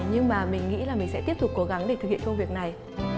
nhưng mà mình nghĩ là mình sẽ tiếp tục cố gắng để thực hiện công việc này